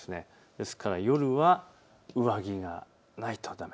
ですから夜は上着がないとだめ。